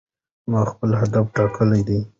ما خپل هدف ټاکلی دی.